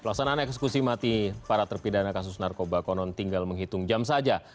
pelaksanaan eksekusi mati para terpidana kasus narkoba konon tinggal menghitung jam saja